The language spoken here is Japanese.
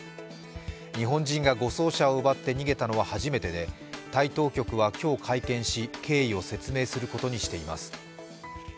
日本人が護送車を奪って逃げたのは初めてでタイ当局は今日、会見し経緯を説明することにしています。